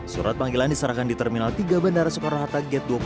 surat panggilan diserahkan di terminal tiga bandara soekarno hatta g dua puluh